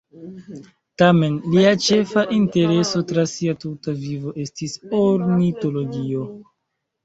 Tamen, lia ĉefa intereso tra sia tuta vivo estis ornitologio.